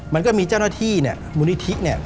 มันก็มีเจ้าหน้าที่เนี่ยมูลนิธิเนี่ย